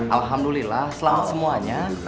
alhamdulillah selamat semuanya